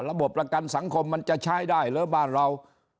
ระบบประกันสังคมมันจะใช้ได้เหรอบ้านเรา